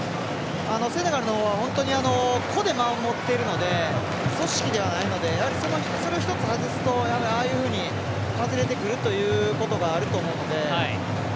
セネガルの個で守っているので組織ではないのでそれを一つ、外すとやはりああいうふうに外れてくるということがあると思うので。